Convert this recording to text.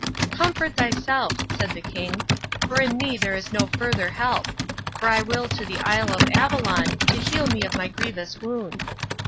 "Comfort thyself," said the king, "for in me is no further help; for I will to the Isle of Avalon, to heal me of my grievous wound."